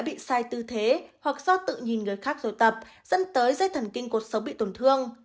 bị sai tư thế hoặc do tự nhìn người khác rồi tập dẫn tới dây thần kinh cột xấu bị tổn thương